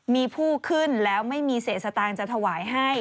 มีผู้ขึ้นแล้วไม่มีเศษสตางค์จะถวายให้